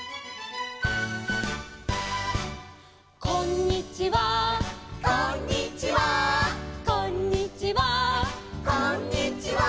「こんにちは」